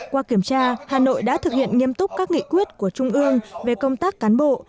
qua kiểm tra hà nội đã thực hiện nghiêm túc các nghị quyết của trung ương về công tác cán bộ